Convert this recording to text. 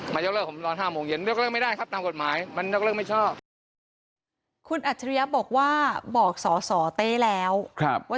แล้วฟ้องในคดีเป็นคดีเจ้าประตันเต้น